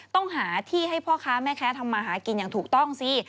ต้องหาที่ให้พ่อค้าแม่ค้าทำมาหากินอย่างถูกต้องสิ